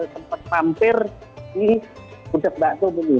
sempat mampir di bucek mbak tum ini